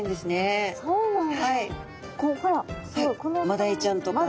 マダイちゃんとか。